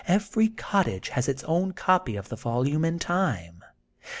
Every cottage has its own copy of the volume in time.